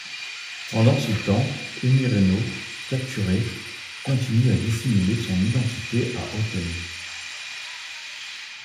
Pendant ce temps, Emireno, capturé, continue à dissimuler son identité à Ottone.